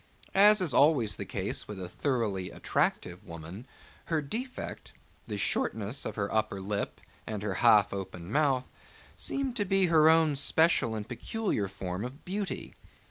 As is always the case with a thoroughly attractive woman, her defect—the shortness of her upper lip and her half open mouth—seemed to be her own special and peculiar form of beauty.